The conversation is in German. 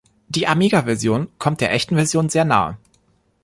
Die Amiga-Version kommt der echten Version sehr nahe.